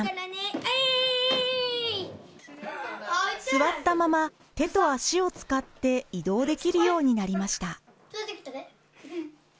座ったまま手と足を使って移動できるようになりました。